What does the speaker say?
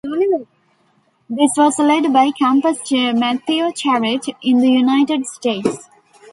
This was led by campus chair Matthieu Charette in the United States.